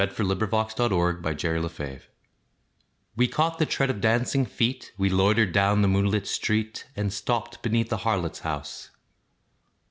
Y Z The Harlot's House WE caught the tread of dancing feet, We loitered down the moonlit street, And stopped beneath the harlot's house.